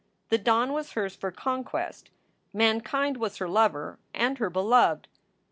The dawn was hers for conquest. Mankind was her lover and her beloved.